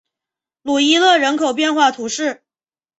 鲁伊勒人口变化图示